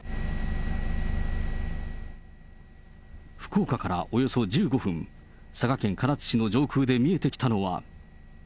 福岡からおよそ１５分、佐賀県唐津市の上空で見えてきたのは。